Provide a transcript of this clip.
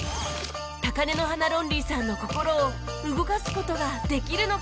高嶺の花ロンリーさんの心を動かす事ができるのか？